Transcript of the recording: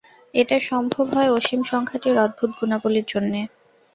এটা সম্ভব হয় অসীম সংখ্যাটির অদ্ভুত গুণাবলীর জন্যে।